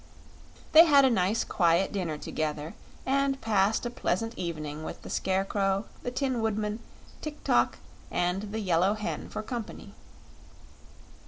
They had a nice quiet dinner together and passed a pleasant evening with the Scarecrow, the Tin Woodman, Tik tok, and the Yellow Hen for company.